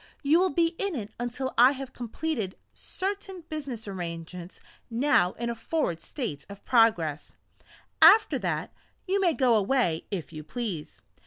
You will be in it until I have completed certain business arrangements now in a forward state of progress after that, you may go away if you please.